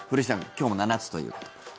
今日も７つということで。